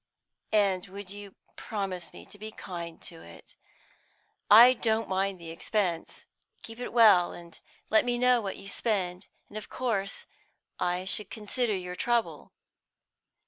"And you would promise me to be kind to it? I don't mind the expense; keep it well, and let me know what you spend. And of course I should consider your trouble."